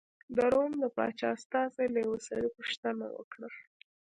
د روم د پاچا استازي له یوه سړي پوښتنه وکړه.